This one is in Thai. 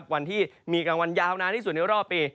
วันที่มีกลางวันยาวนานที่สุดในรอบปี